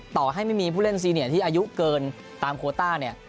ต่อให้ไม่มีผู้เล่นซีเนียที่อายุเกินตามโคต้าเนี่ย